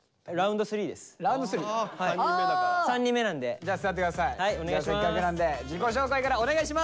じゃあせっかくなんで自己紹介からお願いします！